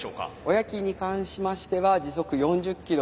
親機に関しましては時速４０キロ。